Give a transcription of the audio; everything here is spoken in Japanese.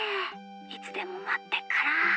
いつでもまってっから。